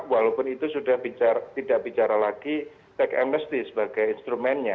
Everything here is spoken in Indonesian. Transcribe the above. walaupun itu sudah tidak bicara lagi tax amnesty sebagai instrumennya